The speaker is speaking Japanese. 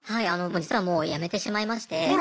実はもう辞めてしまいまして。